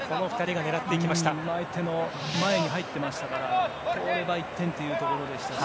相手の前に入ってましたから通れば１点というところでした。